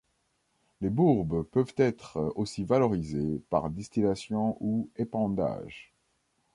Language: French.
Les bourbes peuvent être aussi valorisées par distillation ou épandage.